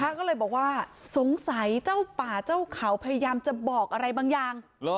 ก็เลยบอกว่าสงสัยเจ้าป่าเจ้าเขาพยายามจะบอกอะไรบางอย่าง